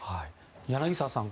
柳澤さん